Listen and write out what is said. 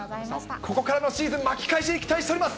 ここからのシーズン、巻き返しに期待しております。